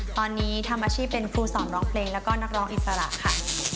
ตอนนี้ทำอาชีพเป็นครูสอนร้องเพลงแล้วก็นักร้องอิสระค่ะ